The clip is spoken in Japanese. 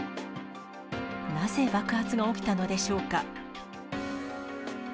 なぜ爆発が起きたのでしょうか。